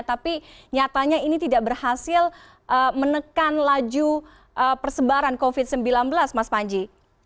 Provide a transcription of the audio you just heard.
tapi nyatanya ini tidak berhasil menekan laju persebaran covid sembilan belas mas panji